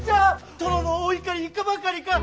殿のお怒りいかばかりか！